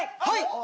はい！